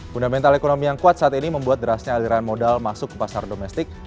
fundamental ekonomi yang kuat saat ini membuat derasnya aliran modal masuk ke pasar domestik